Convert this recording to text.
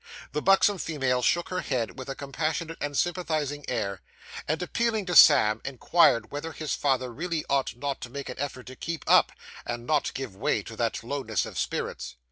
The buxom female shook her head with a compassionate and sympathising air; and, appealing to Sam, inquired whether his father really ought not to make an effort to keep up, and not give way to that lowness of spirits.